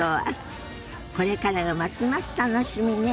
これからがますます楽しみね。